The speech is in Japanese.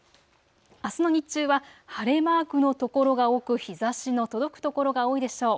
あすの日中は晴れマークの所が多く日ざしの届く所が多いでしょう。